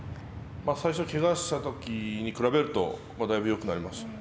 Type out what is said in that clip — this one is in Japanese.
最初、けがしたときに比べるとだいぶよくなりました。